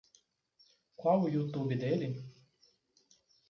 Qual o YouTube dele?